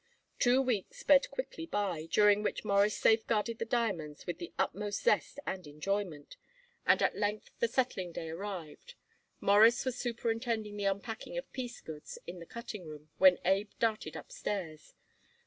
Two weeks sped quickly by, during which Morris safeguarded the diamonds with the utmost zest and enjoyment, and at length the settling day arrived. Morris was superintending the unpacking of piece goods in the cutting room when Abe darted upstairs.